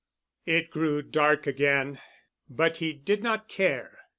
It grew dark again. But he did not care.